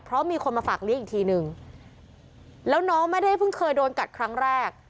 เพราะมีคนมาฝากเลี้ยงอีกทีนึงแล้วน้องไม่ได้เพิ่งเคยโดนกัดครั้งแรก